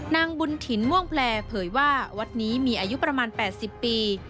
นางบุญถิ่นม่วงแพลร์เผยว่าวัดนี้มีอายุประมาณ๘๐ปี